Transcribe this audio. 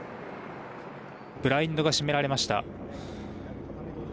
ブラインドが閉められました。